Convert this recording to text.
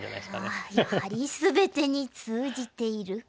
やはり全てに通じている。